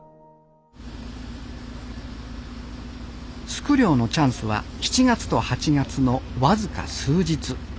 スク漁のチャンスは７月と８月の僅か数日。